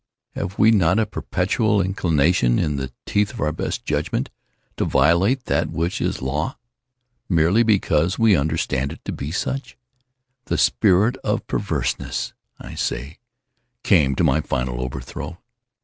Have we not a perpetual inclination, in the teeth of our best judgment, to violate that which is Law, merely because we understand it to be such? This spirit of perverseness, I say, came to my final overthrow.